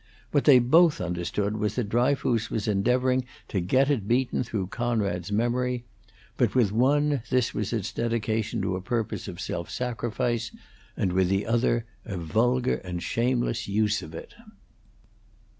What they both understood was that Dryfoos was endeavoring to get at Beaton through Conrad's memory; but with one this was its dedication to a purpose of self sacrifice, and with the other a vulgar and shameless use of it.